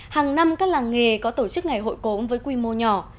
hàng năm các làng nghề có tổ chức ngày hội cốm với quy mô nhỏ